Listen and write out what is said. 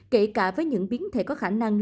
kể cả với những biến thể có khả năng